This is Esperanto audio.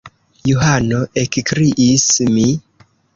Johano! ekkriis mi.